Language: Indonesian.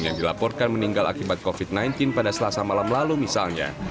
yang dilaporkan meninggal akibat covid sembilan belas pada selasa malam lalu misalnya